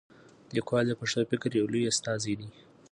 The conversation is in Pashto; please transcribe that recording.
لیکوال د پښتو فکر یو لوی استازی دی.